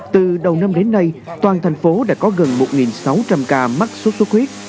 từ đầu năm đến nay toàn thành phố đã có gần một sáu trăm linh ca mắc sốt xuất huyết